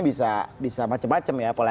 bisa macam macam ya pola